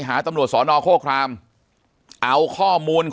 ปากกับภาคภูมิ